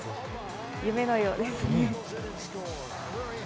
夢のようですね。